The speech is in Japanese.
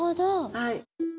はい。